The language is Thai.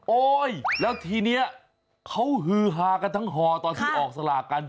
แล้วทีนี้เขาฮือฮากันทั้งห่อตอนที่ออกสลากกัน